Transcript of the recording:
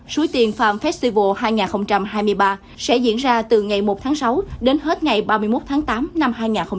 suối tiền farm festival hai nghìn hai mươi ba sẽ diễn ra từ ngày một tháng sáu đến hết ngày ba mươi một tháng tám năm hai nghìn hai mươi bốn